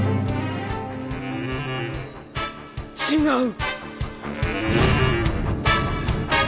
違う。